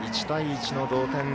１対１の同点。